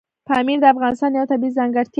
پامیر د افغانستان یوه طبیعي ځانګړتیا ده.